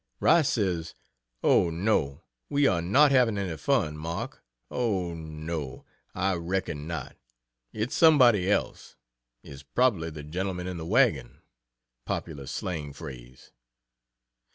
Rice says: "Oh, no we are not having any fun, Mark Oh, no, I reckon not it's somebody else it's probably the 'gentleman in the wagon'!" (popular slang phrase.)